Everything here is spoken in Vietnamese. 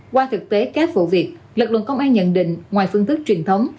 qua thực tế các vụ việc lực lượng công an nhận định ngoài phương thức truyền thống